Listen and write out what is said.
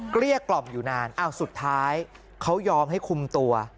เกลี้ยกล่อมอยู่นานอ้าวสุดท้ายเขายอมให้คุมตัว